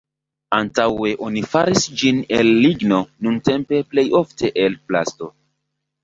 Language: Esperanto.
Antaŭe oni faris ĝin el ligno nuntempe plejofte el plasto.